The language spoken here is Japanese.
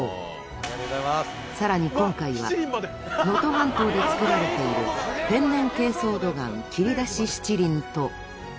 さらに今回は能登半島で作られている天然珪藻土岩切り出し七輪と。